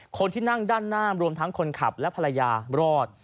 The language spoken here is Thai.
คนที่นั่งด้านหน้ารวมทั้งคนขับและภรรยารอด